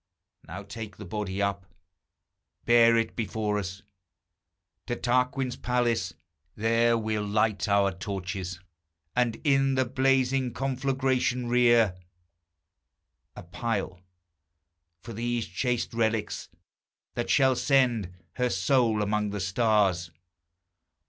Now take the body up. Bear it before us To Tarquin's palace; there we'll light our torches, And in the blazing conflagration rear A pile, for these chaste relics, that shall send Her soul amongst the stars.